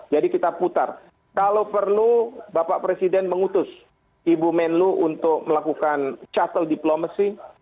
jadi kita putar kalau perlu bapak presiden mengutus ibu menlo untuk melakukan chattel diplomacy